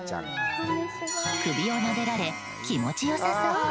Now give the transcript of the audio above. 首をなでられ、気持ちよさそう！